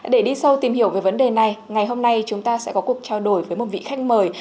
để đi sâu tìm hiểu về vấn đề này ngày hôm nay chúng ta sẽ có cuộc trao đổi với một vị khách mời